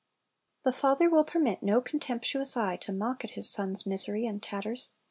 The father will permit no contemptuous eye to mock at his son's misery and tatters.